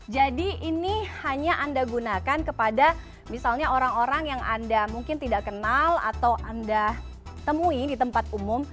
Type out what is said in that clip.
jadi ini hanya anda gunakan kepada misalnya orang orang yang anda mungkin tidak kenal atau anda temui di tempat umum